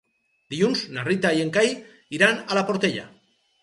Dilluns na Rita i en Cai iran a la Portella.